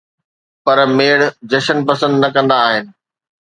پر ميڙ جشن پسند نه ڪندا آھن